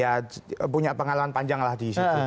ya punya pengalaman panjang lah disitu